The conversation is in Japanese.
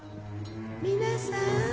皆さん。